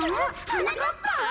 はなかっぱ？